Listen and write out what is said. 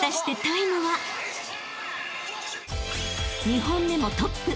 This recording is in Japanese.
［２本目もトップ］